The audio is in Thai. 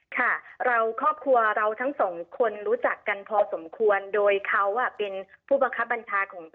ค่ะเราครอบครัวเราทั้งสองคนรู้จักกันพอสมควรโดยเขาเป็นผู้บังคับบัญชาของ